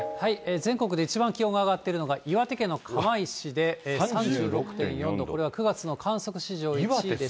全国で一番気温が上がっているのが、岩手県の釜石で３６．４度、これは９月の観測史上１位です。